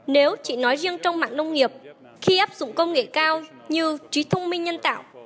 nếu chị nói riêng trong mạng nông nghiệp khi áp dụng công nghệ cao như trí thông minh nhân tạo